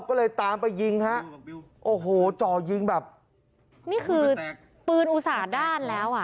ก็เลยตามไปยิงฮะโอ้โหจ่อยิงแบบนี่คือปืนอุตส่าห์ด้านแล้วอ่ะ